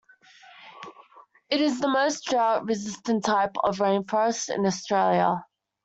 It is the most drought resistant type of rainforest in Australia.